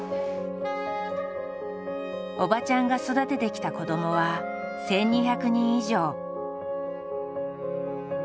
おばちゃんが育ててきた子どもは１，２００人以上。